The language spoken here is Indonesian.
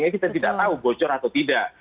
kita tidak tahu bocor atau tidak